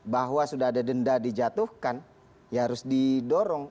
bahwa sudah ada denda dijatuhkan ya harus didorong